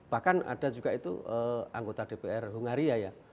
bahkan ada juga itu anggota dpr hungaria ya